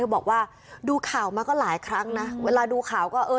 บอกว่าดูข่าวมาก็หลายครั้งนะเวลาดูข่าวก็เออ